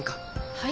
はい？